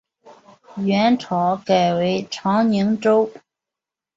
元朝改为长宁州。